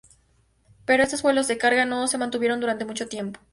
Pero estos vuelos de carga no se mantuvieron durante mucho tiempo.